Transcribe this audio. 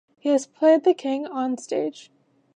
He has played the king on stage.